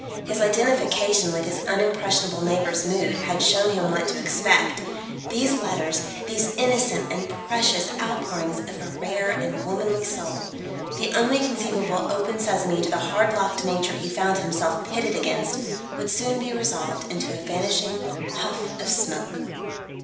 His identification with his unimpressionable neighbour's mood had shown him what to expect. These letters these innocent and precious outpourings of a rare and womanly soul the only conceivable open sesame to the hard locked nature he found himself pitted against, would soon be resolved into a vanishing puff of smoke.